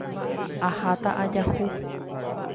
Aháta ajahu.